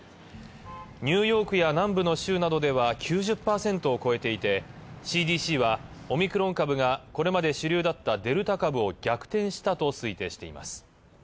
ニューヨークや南部の州などでは９０％を超えていてＣＤＣはオミクロン株がこれまで主流だったデルタ株を逆転したと推定しています。